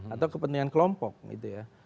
atau kepentingan kelompok gitu ya